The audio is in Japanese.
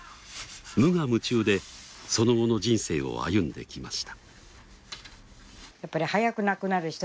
無我夢中でその後の人生を歩んできました。